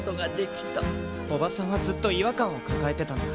おばさんはずっと違和感を抱えてたんだ。